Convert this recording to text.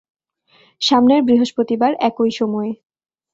সামনের বৃহস্পতিবার, একই সময়ে।